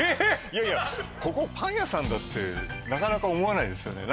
いやいやここパン屋さんだってなかなか思わないですよね